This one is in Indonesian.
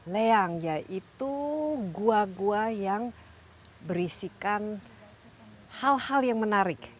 leang yaitu gua gua yang berisikan hal hal yang menarik